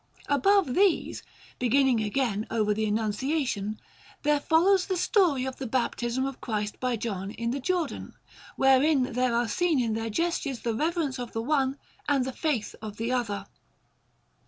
Above these beginning again over the Annunciation there follows the story of the Baptism of Christ by John in the Jordan, wherein there are seen in their gestures the reverence of the one and the faith of the other.